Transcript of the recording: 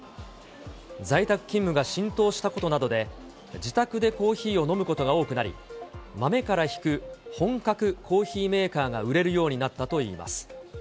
在宅勤務が浸透したことなどで、自宅でコーヒーを飲むことが多くなり、豆からひく本格コーヒーメーカーが売れるようになったといいます。